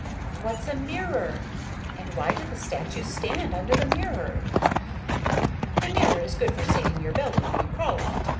"What's a mirror? And why do the statues stand under the mirror?" "A mirror is good for seeing your belly when you crawl on it.